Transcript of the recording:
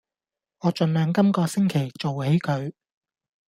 我儘量今個星期做起佢